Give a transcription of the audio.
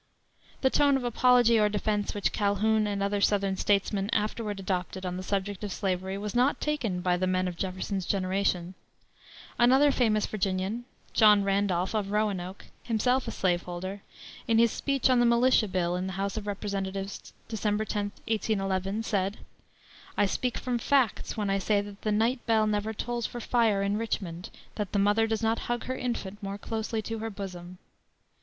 The tone of apology or defense which Calhoun and other southern statesmen afterward adopted on the subject of slavery was not taken by the men of Jefferson's generation. Another famous Virginian, John Randolph of Roanoke, himself a slaveholder, in his speech on the militia bill in the House of Representatives, December 10, 1811, said: "I speak from facts when I say that the night bell never tolls for fire in Richmond that the mother does not hug her infant more closely to her bosom."